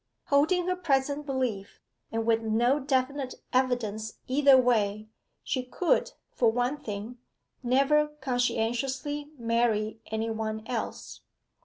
Holding her present belief, and with no definite evidence either way, she could, for one thing, never conscientiously marry any one else.